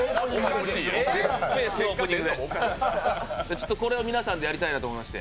ちょっとこれを皆さんでやりたいなと思いまして。